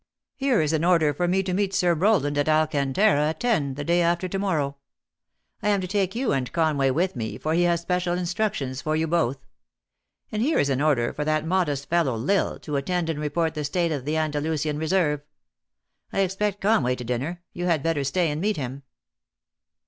Here is an order for me to meet Sir Rowland at Alcantara, at ten, the day after to mor row. I am to take yon and Conway with me, for he has special instructions for yon both. And here is an order for that modest fellow L Isle to attend and re port the state of the Andalnsian reserve. I expect Conway to dinner. You had better stay and meet him."